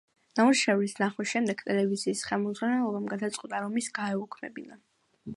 ნამუშევრის ნახვის შემდეგ, ტელევიზიის ხელმძღვანელობამ გადაწყვიტა, რომ ის გაეუქმებინა.